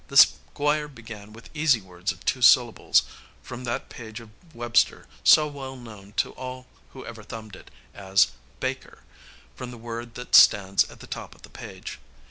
The Squire began with easy words of two syllables, from that page of Webster, so well known to all who ever thumbed it, as "baker," from the word that stands at the top of the page.